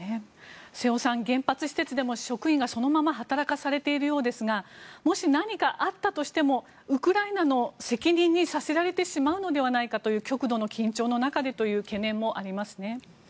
瀬尾さん、原発施設でも職員がそのまま働かされているようですがもし何かあったとしてもウクライナの責任にさせられてしまうのではないかという極度の緊張の中でという懸念もありますね。